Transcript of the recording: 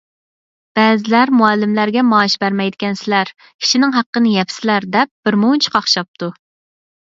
بەزىلەر: «مۇئەللىملەرگە مائاش بەرمەيدىكەنسىلەر، كىشىنىڭ ھەققىنى يەپسىلەر» دەپ بىرمۇنچە قاقشاپتۇ.